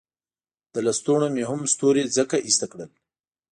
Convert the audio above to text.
له لستوڼو مې هم ستوري ځکه ایسته کړل.